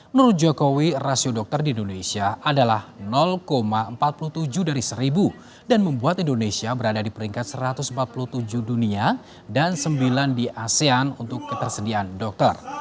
menurut jokowi rasio dokter di indonesia adalah empat puluh tujuh dari seribu dan membuat indonesia berada di peringkat satu ratus empat puluh tujuh dunia dan sembilan di asean untuk ketersediaan dokter